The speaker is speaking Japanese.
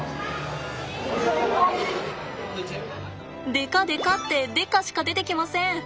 デカデカってデカしか出てきません。